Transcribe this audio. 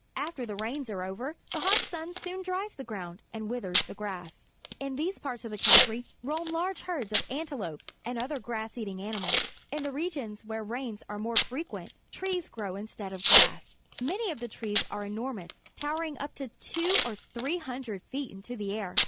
After the rains are o\'er, the hot sun soon dries the ground and vvitliers the grass. In these parts of the country roam large herds of antelopes and other grass eating animals. In the regions where rains are more frequent, trees grow instead of grass. Alany of the trees are enormous, towering up two or three hundred feet into the air.